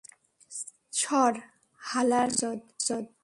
সর, হালার মাদারচোদ!